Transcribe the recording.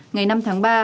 ngày năm tháng ba